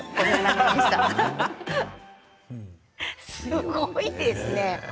すごいですね。